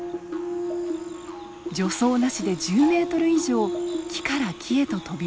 助走なしで１０メートル以上木から木へと飛び移ります。